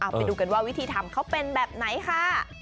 ไปดูกันว่าวิธีทำเขาเป็นแบบไหนค่ะ